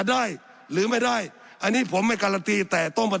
สับขาหลอกกันไปสับขาหลอกกันไป